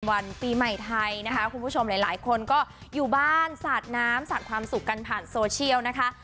วันปีใหม่ไทยนะคะคุณผู้ชมหลายคนก็อยู่บ้านสาดน้ำสาดความสุขกันผ่านโซเชียลนะคะ